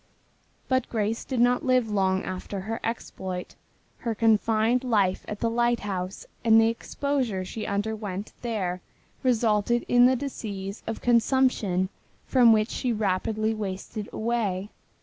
But Grace did not live long after her exploit. Her confined life at the lighthouse and the exposure she underwent there resulted in the disease of consumption from which she rapidly wasted away.